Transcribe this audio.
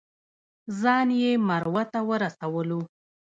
ځان یې مروه ته ورسولو.